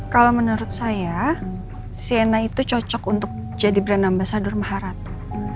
kalau menurut saya sienna itu cocok untuk jadi bernama sadur maharatu